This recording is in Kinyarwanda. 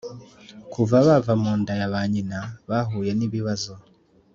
kuva bava mu nda ya ba nyina bahuye nibibazo